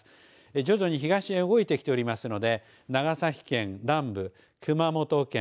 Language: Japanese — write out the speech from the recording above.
徐々に東へ動いてきておりますので長崎県南部熊本県